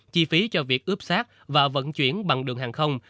chi phí cho việc ướp xác và vận chuyển bằng đường hàng không